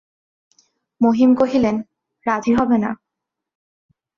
মহিম কহিলেন, রাজি হবে না!